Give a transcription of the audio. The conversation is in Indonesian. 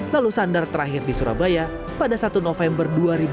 lalu sandar terakhir di surabaya pada satu november dua ribu dua puluh